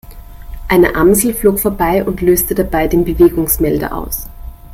Eine Amsel flog vorbei und löste dabei den Bewegungsmelder aus.